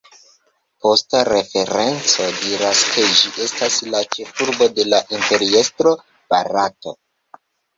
Posta referenco diras ke ĝi estas la ĉefurbo de la Imperiestro Barato.